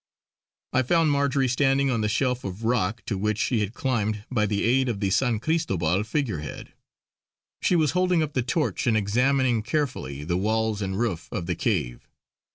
I found Marjory standing on the shelf of rock, to which she had climbed by the aid of the San Cristobal figurehead. She was holding up the torch and examining carefully the walls and roof of the cave.